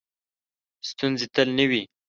ستونزې تل نه وي .